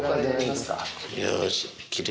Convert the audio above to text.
よし。